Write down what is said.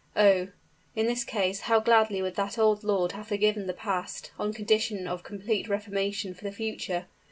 Oh! in this case, how gladly would that old lord have forgiven the past, on condition of complete reformation for the future!